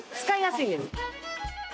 使いやすいです。